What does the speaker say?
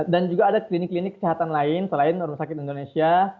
dan juga ada klinik klinik kesehatan lain selain rumah sakit indonesia